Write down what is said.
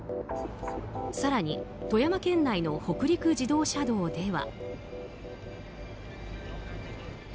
更に富山県内の北陸自動車道では。